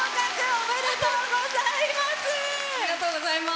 おめでとうございます。